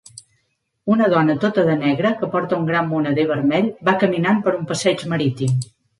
Una dona tota de negre que porta un gran moneder vermell va caminant per un passeig marítim.